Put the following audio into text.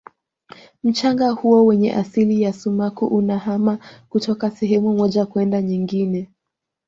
mchanga huo wenye asili ya sumaku unahama kutoka sehemu moja kwenda nyingine